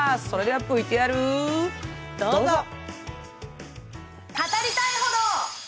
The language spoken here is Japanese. それでは、ＶＴＲどうぞ。